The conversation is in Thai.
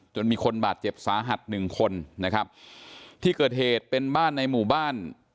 มีคนบาดเจ็บสาหัสหนึ่งคนนะครับที่เกิดเหตุเป็นบ้านในหมู่บ้าน